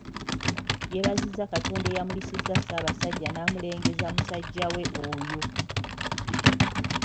Yeebazizza Katonda eyamulisiza Ssabasajja naamulengeza musajjawe oyo.